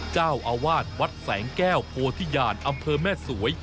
เจ้าอาวาสวัดแสงแก้วโพธิญาณอำเภอแม่สวย